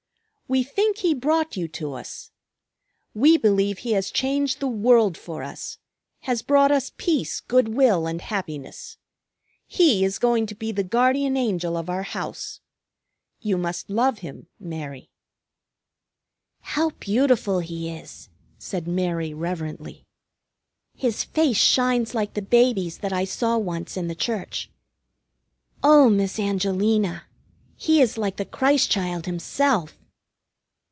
"We think he brought you to us. We believe he has changed the world for us, has brought us peace, good will, and happiness. He is going to be the guardian angel of our house. You must love him, Mary." "How beautiful he is!" said Mary reverently. "His face shines like the Baby's that I saw once in the Church. Oh, Miss Angelina! He is like the Christ Child himself!"